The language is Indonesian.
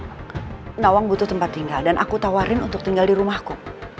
tidak gawang butuh tempat tinggal dan aku tawarin untuk tinggal di rumahku